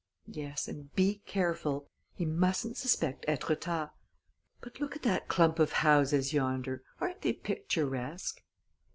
"Yes; and be careful. He mustn't suspect Etretat. But look at that clump of houses yonder aren't they picturesque?"